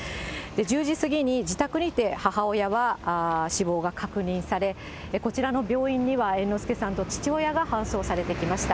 １０時過ぎに自宅にて、母親は死亡が確認され、こちらの病院には、猿之助さんと父親が搬送されてきました。